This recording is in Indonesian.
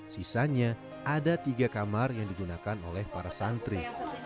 sisanya ada tiga kamar yang digunakan oleh para santri